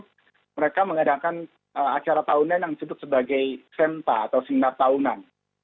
organisasi profesional mereka mengadakan acara tahunan yang disebut sebagai semta atau singdar tahunan